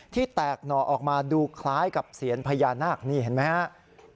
ที่แตกหน่อออกมาดูคล้ายกับเสียญพญานาคนี่เห็นไหมครับ